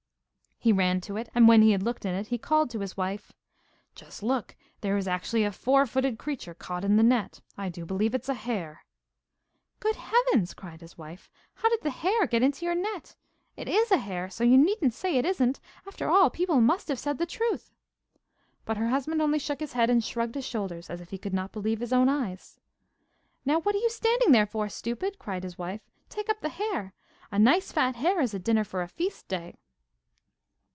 He ran to it, and when he had looked in it he called to his wife: 'Just look! Here is actually a four footed creature caught in the net. I do believe it's a hare.' 'Good heavens!' cried his wife. 'How did the hare get into your net? It IS a hare, so you needn't say it isn't. After all, people must have said the truth ' But her husband only shook his head and shrugged his shoulders as if he could not believe his own eyes. 'Now what are you standing there for, stupid?' cried his wife. 'Take up the hare. A nice fat hare is a dinner for a feast day.